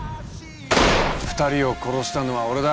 ２人を殺したのは俺だ。